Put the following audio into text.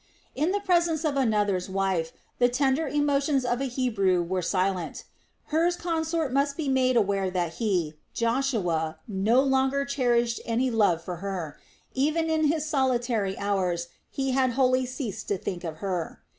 In the presence of another's wife the tender emotions of a Hebrew were silent. Hur's consort must be made aware that he, Joshua, no longer cherished any love for her. Even in his solitary hours, he had wholly ceased to think of her.